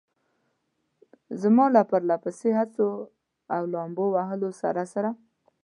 زما له پرله پسې هڅو او لامبو وهلو سره سره.